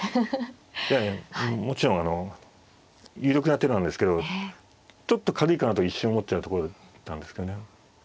いやいやもちろん有力な手なんですけどちょっと軽いかなと一瞬思っちゃうところだったんですけどね。